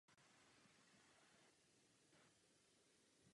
Celkem bylo vysazeno sedmdesát třešní.